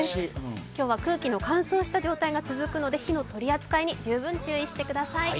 今日は空気の乾燥した状態が続くので火の取り扱いに十分注意してください。